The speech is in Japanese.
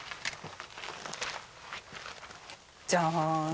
じゃん！